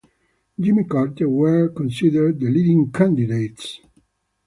Jimmy Carter were considered the leading candidates.